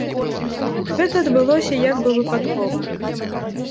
Гэта адбылося як бы выпадкова.